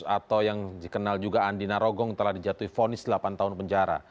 atau yang dikenal juga andi narogong telah dijatuhi vonis delapan tahun penjara